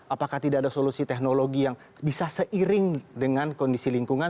apakah tidak ada solusi teknologi yang bisa seiring dengan kondisi lingkungan